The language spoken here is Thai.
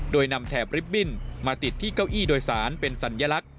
โดยนำแถบริบบิ้นมาติดที่เก้าอี้โดยสารเป็นสัญลักษณ